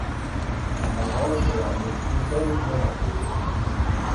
La parole est à Monsieur Paul Molac.